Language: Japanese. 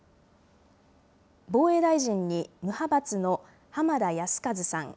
防衛大臣に無派閥の浜田靖一さん。